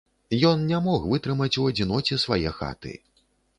Ён не мог вытрымаць у адзіноце свае хаты.